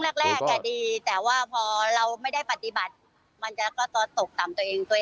แรกดีแต่ว่าพอเราไม่ได้ปฏิบัติมันจะก็ตกต่ำตัวเอง